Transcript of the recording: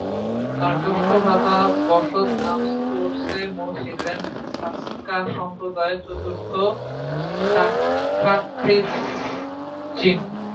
তার জ্যৈষ্ঠ ভ্রাতা ব্সোদ-নাম্স-র্ত্সে-মো ছিলেন সা-স্ক্যা ধর্মসম্প্রদায়ের চতুর্থ সা-স্ক্যা-খ্রি-'দ্জিন।